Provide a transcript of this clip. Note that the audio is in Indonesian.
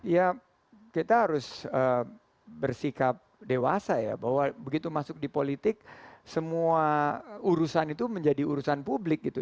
ya kita harus bersikap dewasa ya bahwa begitu masuk di politik semua urusan itu menjadi urusan publik gitu